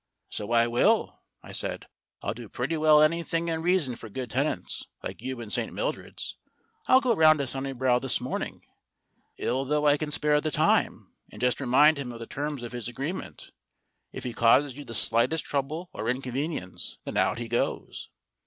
"So I will," I said. "I'll do pretty well anything in reason for good tenants, like you and St. Mildred's. I'll go round to Sunnibrow this morning ill though I can spare the time and just remind him of the terms of his agreement. If he causes you the slightest trouble or inconvenience, then out he goes."